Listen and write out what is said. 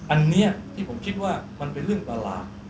อันนี้ที่ผมคิดว่ามันเป็นเรื่องประหลาด